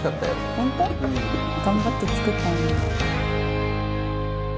本当？頑張って作ったんだよ。